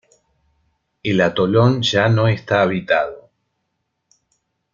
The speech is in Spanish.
El atolón ya no está habitado.